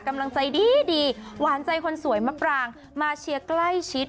กำลังใจดีดีหวานใจคนสวยมะปรางมาเชียร์ใกล้ชิด